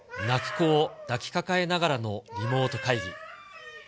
泣く子を抱きかかえながらのリモート会議。